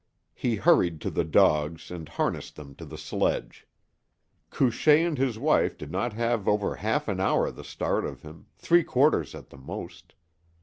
He hurried to the dogs and harnessed them to the sledge. Couchée and his wife did not have over half an hour the start of him three quarters at the most.